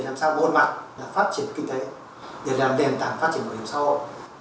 đối mặt là phát triển kinh tế để làm đền tảng phát triển bảo hiểm xã hội